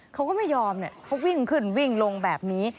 เขาก็ไม่ยอมเขาวิ่งขึ้นวิ่งลงแบบนี้